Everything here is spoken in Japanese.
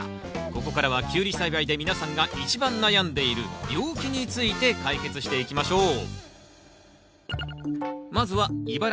ここからはキュウリ栽培で皆さんが一番悩んでいる病気について解決していきましょう。